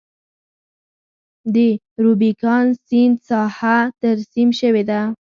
د روبیکان سیند ساحه ترسیم شوې ده.